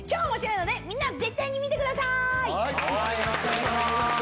よろしくお願いします。